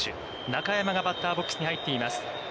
中山がバッターボックスに入っています。